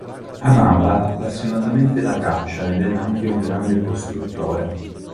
Amava appassionatamente la caccia ed era anche un grande costruttore.